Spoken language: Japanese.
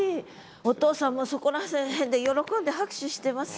お父さんもそこら辺で喜んで拍手してますよ。